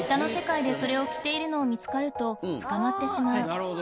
なるほど。